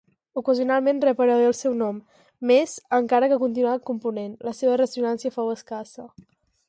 Ocasionalment reaparegué el seu nom, més, encara que continuà component, la seva ressonància fou escassa.